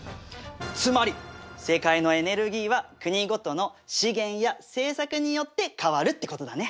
つまり世界のエネルギーは国ごとの資源や政策によって変わるってことだね！